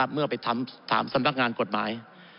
เมื่อไปถามสำนักงานกฎหมาย